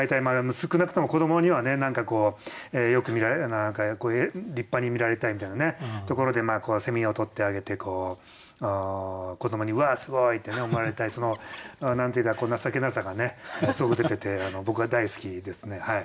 少なくとも子どもにはねよく見られるような立派に見られたいみたいなところでを捕ってあげて子どもにうわあすごい！ってね思われたい何て言うか情けなさがねすごく出てて僕は大好きですね。